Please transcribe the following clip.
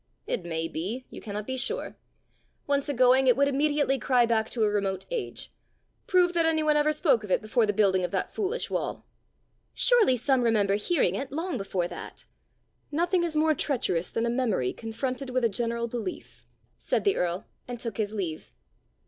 "It may be; you cannot be sure. Once a going, it would immediately cry back to a remote age. Prove that any one ever spoke of it before the building of that foolish wall." "Surely some remember hearing it long before that!" "Nothing is more treacherous than a memory confronted with a general belief," said the earl, and took his leave.